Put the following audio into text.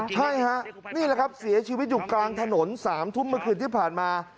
ใช่ฮะนี่แหละครับเสียชีวิตอยู่กลางถนน๓ทุ่มเมื่อคืนที่ผ่านมา